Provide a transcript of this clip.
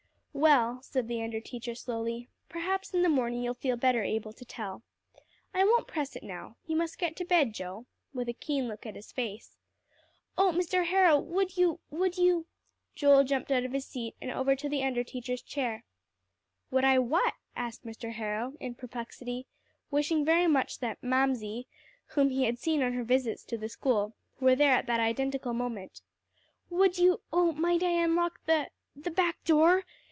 "Well," said the under teacher slowly, "perhaps in the morning you'll feel better able to tell. I won't press it now. You must get to bed, Joe," with a keen look at his face. "Oh Mr. Harrow would you would you " Joel jumped out of his seat, and over to the under teacher's chair. "Would I what?" asked Mr. Harrow in perplexity, wishing very much that "Mamsie," whom he had seen on her visits to the school, were there at that identical moment. "Would you oh, might I unlock the the back door?"